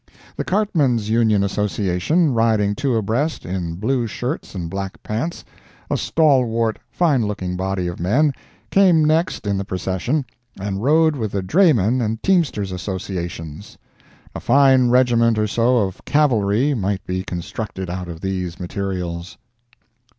The Cartmen's Union Association, riding two abreast, in blue shirts and black pants—a stalwart, fine looking body of men, came next in the Procession, and rode with the Draymen and Teamsters' Associations. A fine regiment or so of cavalry might be constructed out of these materials.